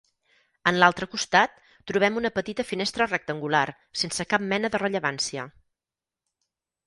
En l’altra costat, trobem una petita finestra rectangular, sense cap mena de rellevància.